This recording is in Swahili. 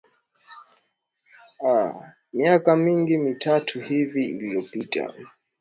aa miaka mingi mitatu hivi iliopita